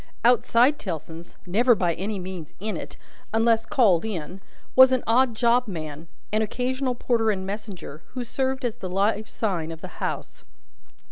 Outside Tellson's never by any means in it, unless called in was an odd job man, an occasional porter and messenger, who served as the live sign of the house.